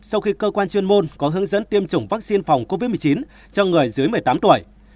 sau khi cơ quan chuyên môn có hướng dẫn tiêm chủng vaccine phòng covid một mươi chín cho người dưới một mươi tám tuổi